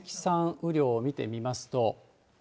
雨量を見てみますと。